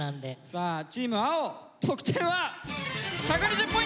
さあチーム青得点は。え？